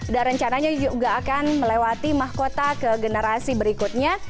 dan rencananya juga akan melewati mahkota ke generasi berikutnya